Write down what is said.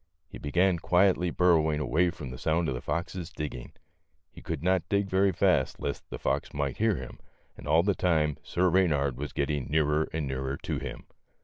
He began quietly burrowing away from the sound of the fox's digging. He could not dig very fast lest the fox might hear him, and all the time Sir Eeynard was getting nearer and nearer to him.